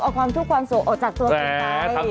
เอาความทุกข์ความสุขออกจากตัวคุณไป